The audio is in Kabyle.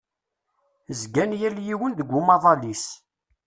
Zgan yal yiwen deg umaḍal-is.